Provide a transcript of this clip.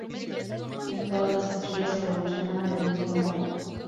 No todas las estrellas evolucionan del mismo modo.